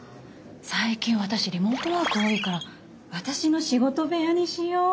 最近私リモートワーク多いから私の仕事部屋にしよう。